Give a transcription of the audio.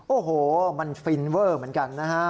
โอ้โหมันฟินเวอร์เหมือนกันนะฮะ